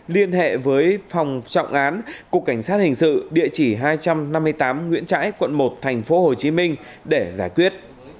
liên hệ với phòng trọng án cục cảnh sát hình sự địa chỉ hai trăm năm mươi tám nguyễn trãi quận một tp hcm để giải quyết